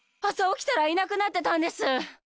朝起きたらいなくなってたんです！